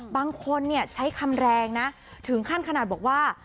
บางคนใช้คำแรงนะถึงขั้นขนาดบอกว่า